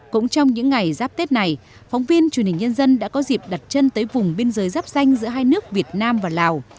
cũng trong những ngày giáp tết này phóng viên truyền hình nhân dân đã có dịp đặt chân tới vùng biên giới giáp danh giữa hai nước việt nam và lào